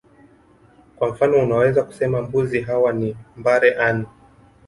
Kwa mfano unaweza kusema mbuzi hawa ni mbare ani